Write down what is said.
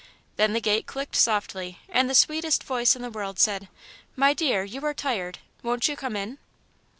Then the gate clicked softly and the sweetest voice in the world said: "My dear, you are tired won't you come in?"